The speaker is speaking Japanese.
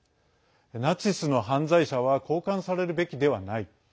ナチスの犯罪者は交換されるべきではない。